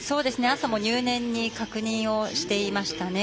朝も入念に確認をしていましたよね。